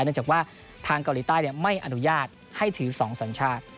เนื่องจากว่าทางเกาหลีใต้ไม่อนุญาตให้ถือ๒สัญชาติ